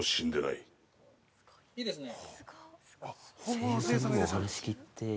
◆いいですね。